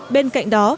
bên cạnh đó